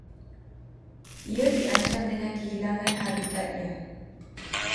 Ia diancam dengan kehilangan habitatnya